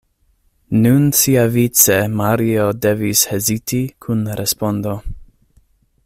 Nun siavice Mario devis heziti kun respondo.